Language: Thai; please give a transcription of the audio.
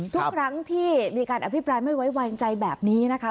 ทุกครั้งที่มีการอภิปรายไม่ไว้วางใจแบบนี้นะคะ